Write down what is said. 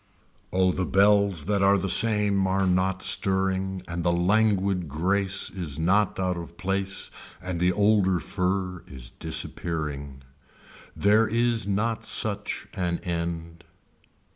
Oh the bells that are the same are not stirring and the languid grace is not out of place and the older fur is disappearing. There is not such an end.